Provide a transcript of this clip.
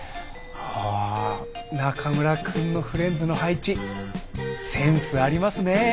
あ中村くんのフレンズの配置センスありますね。